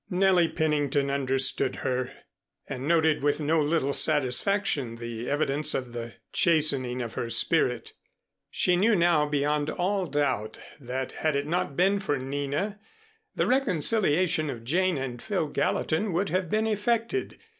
Nellie Pennington understood her, and noted with no little satisfaction the evidence of the chastening of her spirit. She knew now beyond all doubt that had it not been for Nina, the reconciliation of Jane and Phil Gallatin would have been effected.